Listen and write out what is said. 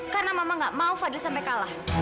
karena mama gak mau fadhil sampai kalah